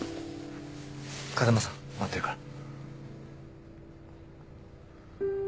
風間さん待ってるから。